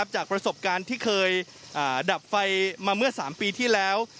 จากประสบการณ์ที่เคยดับไฟมาเมื่อ๓ปีที่แล้ว